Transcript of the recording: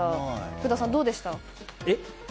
福田さん、どうでした？